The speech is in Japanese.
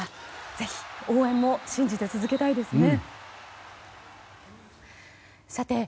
ぜひ、応援も信じて続けたいですね。